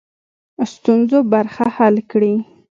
ستونزو برخه حل کړي.